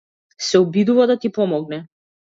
Се обидува да ти помогне.